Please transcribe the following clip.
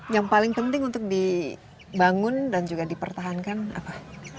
yang paling penting untuk dibangun dan juga dipertahankan apa